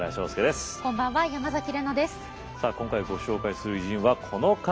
今回ご紹介する偉人はこの方。